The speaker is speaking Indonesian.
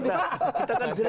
kita kan sering